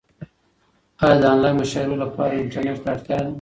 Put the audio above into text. ایا د انلاین مشاعرو لپاره انټرنیټ ته اړتیا ده؟